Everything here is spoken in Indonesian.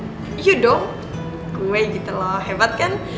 uh iya dong gue gitu loh hebat kan